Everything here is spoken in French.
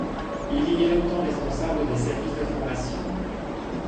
Il y est longtemps responsable des services de formation.